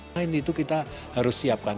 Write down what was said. hal ini itu kita harus siapkan